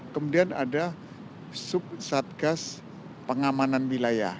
kemudian ada sub satgas pengamanan wilayah